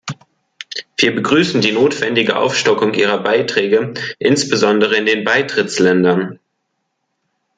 Wir begrüßen die notwendige Aufstockung ihrer Beiträge, insbesondere in den Beitrittsländern.